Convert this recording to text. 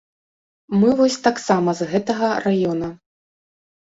Мы вось таксама з гэтага раёна.